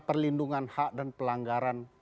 perlindungan hak dan pelanggaran